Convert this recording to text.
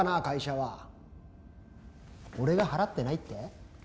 会社は俺が払ってないって？